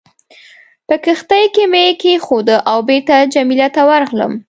په کښتۍ کې مې کېښوده او بېرته جميله ته ورغلم.